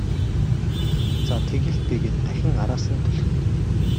За тэг л дээ гээд дахин араас нь түлхэнэ.